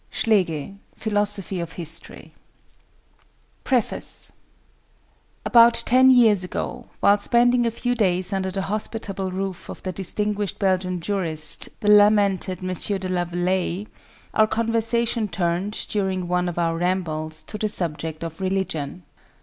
—SCHLEGEL, Philosophy of History. PREFACE About ten years ago, while spending a few days under the hospitable roof of the distinguished Belgian jurist, the lamented M. de Laveleye, our conversation turned, during one of our rambles, to the subject of religion.